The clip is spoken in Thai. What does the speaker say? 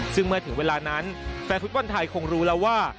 ซึ่งเมื่อถึงเวลานั้นแฟนฟุตบอลไทยคงรู้แล้วว่า